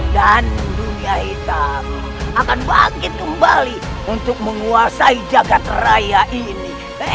dan dunia hitam akan bangkit kembali untuk menguasai jagad raya ini